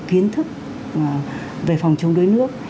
kiến thức về phòng chống đuối nước